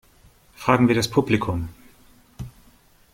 Fragen wir das Publikum!